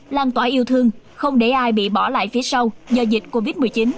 lan tỏa yêu thương không để ai bị bỏ lại phía sau do dịch covid một mươi chín